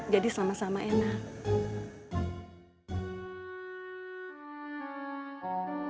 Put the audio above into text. jadi sama sama enak